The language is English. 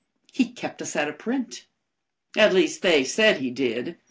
He kept us out of print. At least they said he did.